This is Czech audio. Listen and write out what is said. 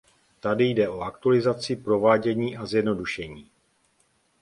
Tady jde o aktualizaci, provádění a zjednodušení.